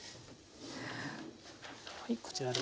はいこちらで。